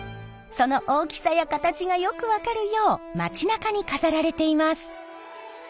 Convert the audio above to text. その大きさや形がよく分かるよう街なかに飾られています。